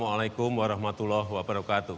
assalamualaikum warahmatullahi wabarakatuh